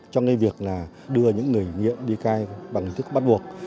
cho ngay việc là đưa những người nghiện đi cai bằng tức bắt buộc